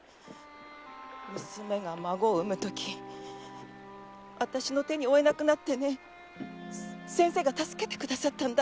娘が孫を産むときあたしの手に負えなくなってね先生が助けてくださったんだ。